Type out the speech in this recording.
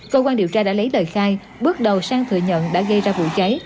cơ quan điều tra đã lấy lời khai bước đầu sang thừa nhận đã gây ra vụ cháy